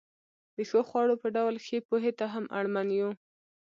د ښو خوړو په ډول ښې پوهې ته هم اړمن یو.